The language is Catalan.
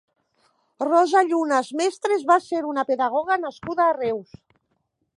Rosa Llunas Mestres va ser una pedagoga nascuda a Reus.